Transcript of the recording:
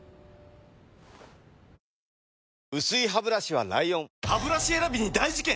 薄いハブラシは ＬＩＯＮハブラシ選びに大事件！